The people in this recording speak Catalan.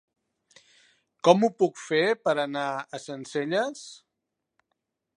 Com ho puc fer per anar a Sencelles?